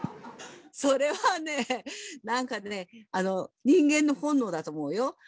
それはね何かね人間の本能だと思うよ。